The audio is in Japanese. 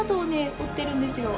追ってるんですよ。